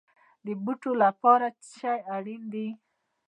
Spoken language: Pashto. د بوټو لپاره څه شی اړین دی؟